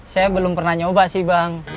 saya belum pernah nyoba sih bang